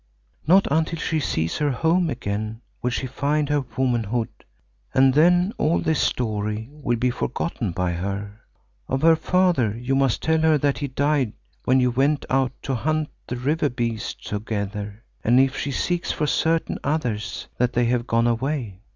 Not until she sees her home again will she find her womanhood, and then all this story will be forgotten by her. Of her father you must tell her that he died when you went out to hunt the river beasts together, and if she seeks for certain others, that they have gone away.